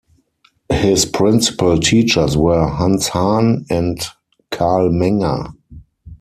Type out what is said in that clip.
His principal teachers were Hans Hahn and Karl Menger.